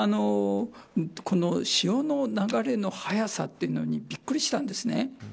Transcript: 私もこの潮の流れの速さというのにびっくりしたんです。